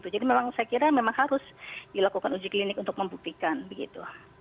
memang saya kira memang harus dilakukan uji klinik untuk membuktikan begitu